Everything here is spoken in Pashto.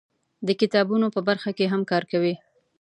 د کتابونو په برخه کې هم کار کوي.